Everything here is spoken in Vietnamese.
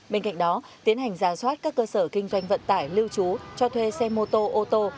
bên cạnh đó tiến hành giả soát các cơ sở kinh doanh vận tải lưu trú cho thuê xe mô tô ô tô